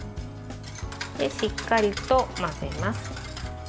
しっかりと混ぜます。